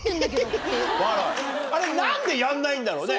あれ何でやんないんだろうね？